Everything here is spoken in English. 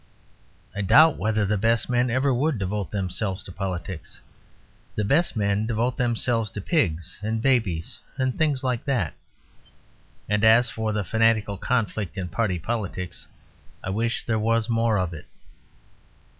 I doubt whether the best men ever would devote themselves to politics. The best men devote themselves to pigs and babies and things like that. And as for the fanatical conflict in party politics, I wish there was more of it.